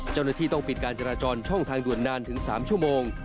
เจ้าหน้าที่ต้องปิดการจราจรช่องทางด่วนนานถึง๓ชั่วโมง